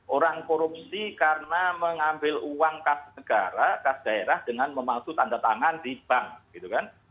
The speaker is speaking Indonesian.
orang korupsi karena mengambil uang kas negara kas daerah dengan memalsu tanda tangan di bank gitu kan